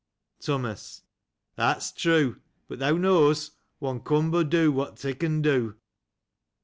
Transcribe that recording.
Thomas. — That is true ; but thou knowst, one can but do what one can do.